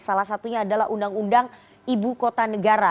salah satunya adalah undang undang ibu kota negara